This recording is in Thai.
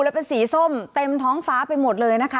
แล้วเป็นสีส้มเต็มท้องฟ้าไปหมดเลยนะคะ